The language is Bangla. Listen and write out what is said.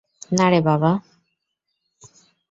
নারে, বাবা!